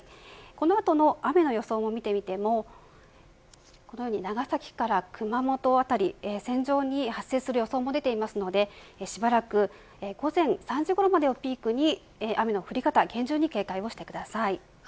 この後の雨の予想を見てみてもこのように長崎から熊本辺り線状に発生する要素も出ていますのでしばらく午前３時ごろまでをピークに雨の降り方厳重に警戒してください。